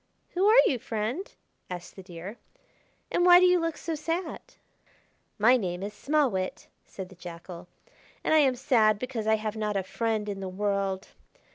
"Who are you, Friend?" asked the Deer, "and why do you look so sad?" "My name is Small Wit," said the Jackal; "and I am sad because I have not a friend in the world.